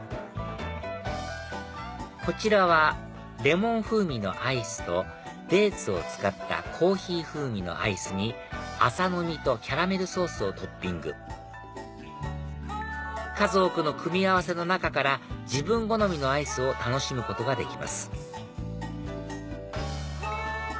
こちらはレモン風味のアイスとデーツを使ったコーヒー風味のアイスに麻の実とキャラメルソースをトッピング数多くの組み合わせの中から自分好みのアイスを楽しむことができます